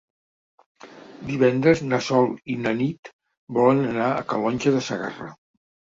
Divendres na Sol i na Nit volen anar a Calonge de Segarra.